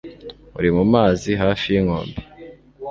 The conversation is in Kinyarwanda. uri mu mazi hafi y'inkombe,